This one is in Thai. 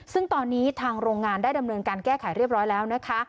ซึ่งตอนนี้ทางโรงงานได้ดำเนินการแก้ไขเรียบร้อยแล้วนะคะ